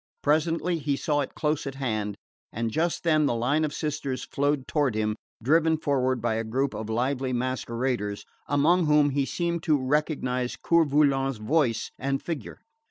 Presently he saw it close at hand; and just then the line of sisters flowed toward him, driven forward by a group of lively masqueraders, among whom he seemed to recognise Coeur Volant's voice and figure.